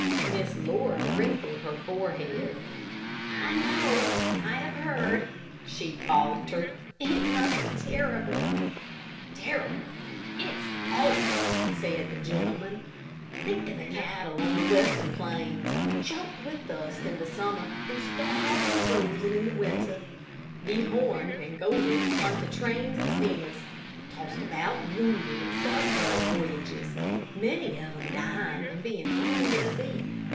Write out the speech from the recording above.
Miss Laura wrinkled her forehead. "I know I have heard," she faltered. "It must be terrible." "Terrible it's awful," said the gentleman. "Think of the cattle on the western plains. Choked with thirst in summer, and starved and frozen in winter. Dehorned and goaded on to trains and steamers. Tossed about and wounded and suffering on voyages. Many of them dying and being thrown into the sea.